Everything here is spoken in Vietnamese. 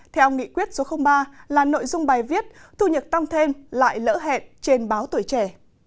theo nghị quyết số ba là nội dung bài viết thu nhập tăng thêm lại lỡ hẹn trên báo tuổi trẻ